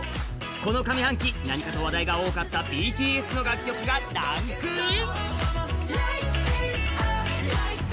この上半期、何かと話題が多かったＢＴＳの曲がランクイン。